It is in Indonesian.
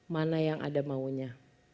mana yang ada maunya